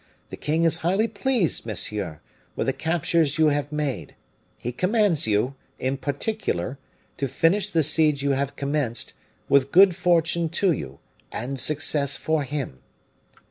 The king is highly pleased, monsieur, with the captures you have made; he commands you, in particular, to finish the siege you have commenced, with good fortune to you, and success for him."